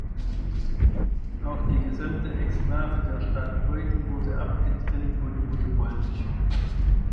Auch die gesamte Exklave der Stadt Beuthen wurde abgetrennt und wurde polnisch.